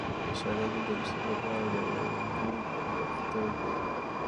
د اعشاري عدد د لوستلو لپاره د ورنيې برخو ته وګورئ.